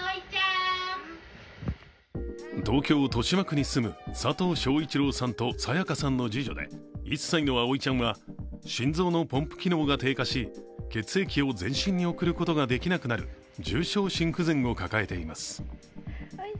東京・豊島区に住む佐藤昭一郎さんと清香さんの次女で１歳の葵ちゃんは心臓のポンプ機能が低下し血液を全身に送ることができなくなる重症心不全を抱えています。